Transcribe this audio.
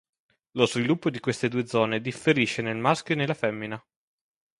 Lo sviluppo di queste due zone differisce nel maschio e nella femmina.